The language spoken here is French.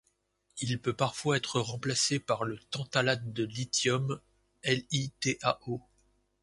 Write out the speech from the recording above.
Il peut parfois être remplacé par le tantalate de lithium, LiTaO.